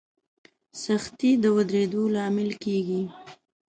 سختي د ودرېدو لامل کېږي.